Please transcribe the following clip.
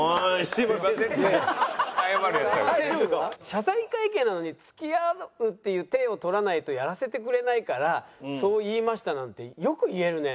謝罪会見なのに付き合うっていう体をとらないとやらせてくれないからそう言いましたなんてよく言えるね。